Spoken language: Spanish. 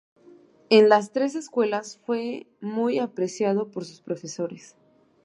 En las tres escuelas fue muy apreciado por sus profesores.